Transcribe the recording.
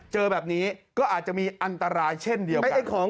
เจอแบบนี้ก็อาจจะมีอันตรายเช่นเดียวกัน